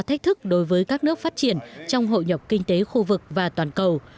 thách thức đối với các nước phát triển trong hội nhập kinh tế khu vực và toàn cầu